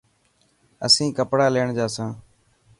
اسين ڪپڙا ليڻ جا سان.